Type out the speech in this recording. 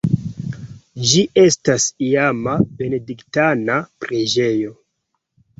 Ĝi estas iama benediktana preĝejo.